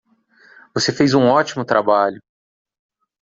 Você fez um ótimo trabalho!